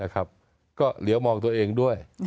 ก็เหลียวมองตัวเองด้วย